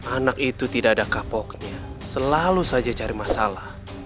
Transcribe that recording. anak itu tidak ada kapoknya selalu saja cari masalah